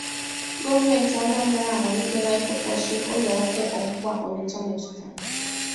Gọọmenti Anambra Amàlitela Ịkụkpọsị Ụlọ Ọkụ Ọgbụgba Ọnịtsha Metụtarà